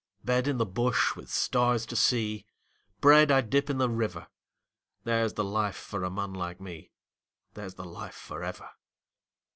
Bed in the bush with stars to see, Bread I dip in the river There's the life for a man like me, There's the life for ever.